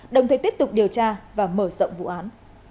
đồng thời tiếp tục điều tra và mở rộng vụ án